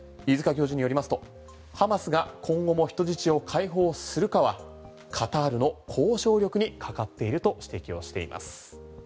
教授によりますと、ハマスが今後も人質を解放するかはカタールの交渉力にかかっていると指摘をしています。